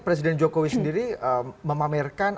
presiden jokowi sendiri memamerkan